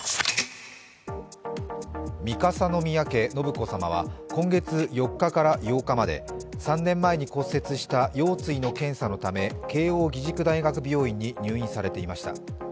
三笠宮家・信子さまは今月４日から８日まで３年前に骨折した腰椎の検査のため慶応義塾大学病院に入院されていました。